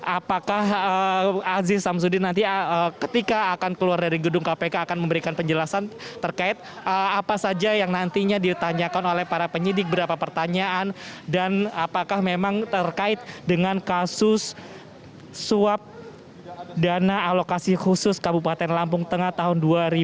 apakah aziz samsudin nanti ketika akan keluar dari gedung kpk akan memberikan penjelasan terkait apa saja yang nantinya ditanyakan oleh para penyidik berapa pertanyaan dan apakah memang terkait dengan kasus suap dana alokasi khusus kabupaten lampung tengah tahun dua ribu tujuh belas